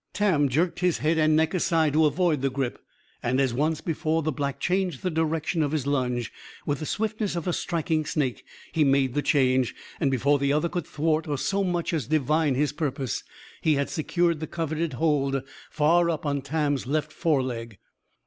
Tam jerked his head and neck aside to avoid the grip. And, as once before, the Black changed the direction of his lunge. With the swiftness of a striking snake, he made the change. And, before the other could thwart or so much as divine his purpose, he had secured the coveted hold, far up on Tam's left foreleg.